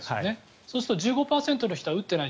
そうすると１５％ぐらいの人は打っていない。